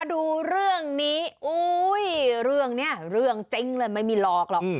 ดูเรื่องนี้เรื่องนี้เรื่องจริงเลยไม่มีหลอกหรอก